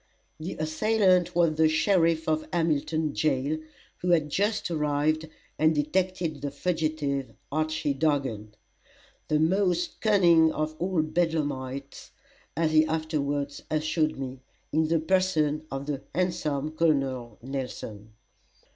The assailant was the sheriff of Hamilton jail, who had just arrived and detected the fugitive, Archy Dargan the most cunning of all bedlamites, as he afterwards assured me in the person of the handsome Col. Nelson.